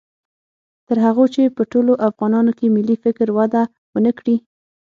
تر هغو چې په ټولو افغانانو کې ملي فکر وده و نه کړي